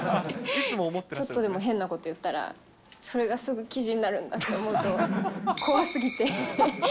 ちょっとでも変なこと言ったら、それがすぐ記事になるんだって思うと、怖すぎて。